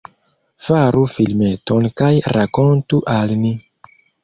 Faru filmeton kaj rakontu al ni!